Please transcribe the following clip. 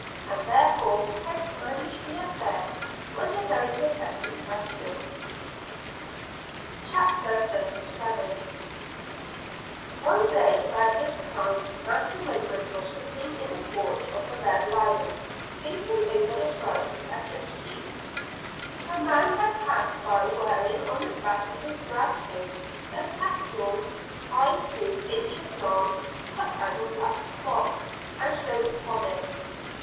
And therefore how to manage the affair was a very perplexing question. CHAPTER XXXVII. The First Rattle of the Rattlesnake. One day about this time Master Raymond was sitting in the porch of the Red Lion, thinking over a sight he had just seen; a man had passed by wearing on the back of his drab coat a capital I two inches long, cut out of black cloth, and sewed upon it.